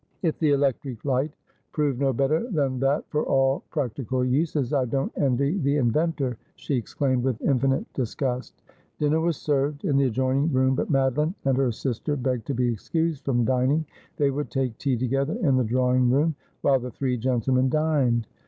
' If the electric light prove no better than that for all prac tical uses, I don't envy the inventor,' she exclaimed with infinite disgust. Dinner was served in the adjoining room, but Madoline and her sister begged to be excused from dining. They would take tea together in the drawing room while the three gentlemen dined.